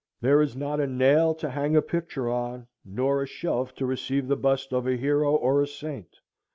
There is not a nail to hang a picture on, nor a shelf to receive the bust of a hero or a saint.